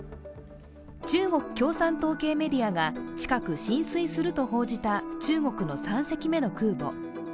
中国共産党系メディアが近く進水すると報じた中国の３隻目の空母。